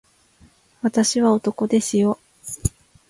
私は男ですよ